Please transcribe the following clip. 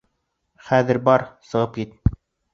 Хәҙер бар, сығып кит!